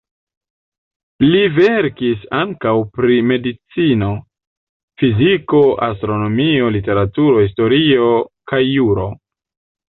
Li verkis ankaŭ pri medicino, fiziko, astronomio, literaturo, historio kaj juro.